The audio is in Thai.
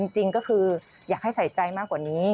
จริงก็คืออยากให้ใส่ใจมากกว่านี้